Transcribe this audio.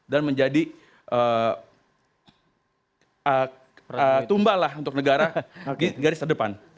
dan menjadi tumbalah untuk negara di garis terdepan